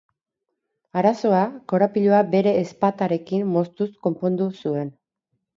Arazoa, korapiloa bere ezpatarekin moztuz konpondu zuen.